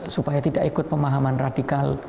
supaya tidak ikut pemahaman radikal